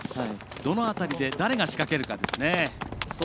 どの辺りで誰が仕掛けるかですね。